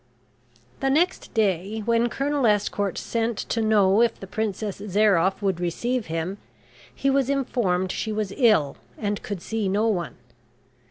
The next day, when Colonel Estcourt sent to know if the Princess Zairoff would receive him, he was informed she was ill, and could see no one.